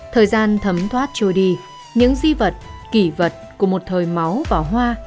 thời gian thấm thoát trôi đi những di vật kỷ vật của một thời máu và hoa